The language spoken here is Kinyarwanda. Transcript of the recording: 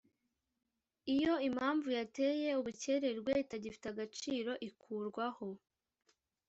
iyo impamvu yateye ubukerererwe itagifite agaciro ikurwaho